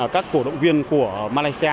các cổ động viên của malaysia